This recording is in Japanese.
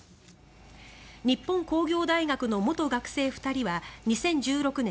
日本工業大学の元学生２人は２０１６年